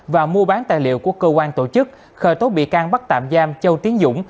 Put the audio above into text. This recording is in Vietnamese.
và mua bán tài liệu của cơ quan tổ chức khởi tố bị can bắt tạm giam châu tiến dũng